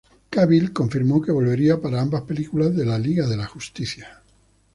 Cavill confirmó que volvería para ambas películas de la Liga de la Justicia.